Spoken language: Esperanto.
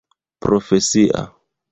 profesia